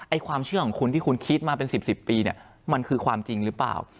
ความเชื่อของคุณที่คุณคิดมาเป็น๑๐ปีเนี่ยมันคือความจริงหรือเปล่า